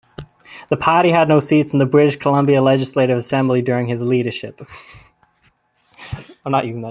The party had no seats in the British Columbia Legislative Assembly during his leadership.